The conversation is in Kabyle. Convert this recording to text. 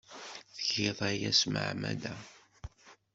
Tgiḍ aya s tmeɛmada.